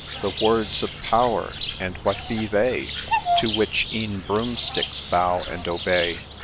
The words of power !— and what be they To which e'en Broomsticks bow and obey